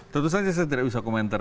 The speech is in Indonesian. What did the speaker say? tentu saja saya tidak bisa komentar